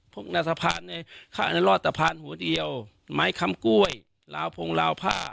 พวกนัสภาษณ์เนี้ยข้างนั้นรอดแต่พันหัวเดียวไม้คำกล้วยราวพงราวผ้า